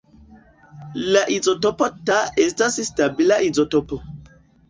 La izotopo Ta estas stabila izotopo.